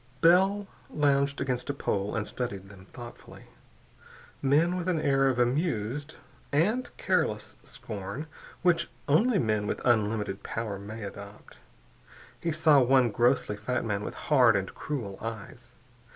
Bell lounged against a pole and studied them thoughtfully. Men with an air of amused and careless scorn which only men with unlimited power may adopt. He saw one grossly fat man with hard and cruel eyes.